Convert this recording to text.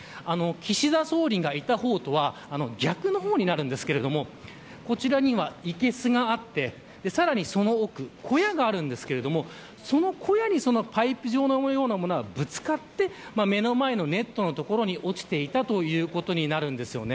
岸田総理がいた方とは逆の方になるんですけれどもこちらには、いけすがあってさらにその奥小屋があるんですがその小屋にパイプ状のようなものがぶつかって目の前のネットの所に落ちていたということになるんです。